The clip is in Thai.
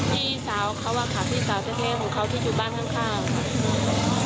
พี่สาวเขาอะค่ะพี่สาวแท้ของเขาที่อยู่บ้านข้าง